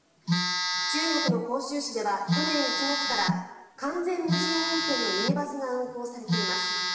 中国の広州市では去年１月から完全無人運転のミニバスが運行されています。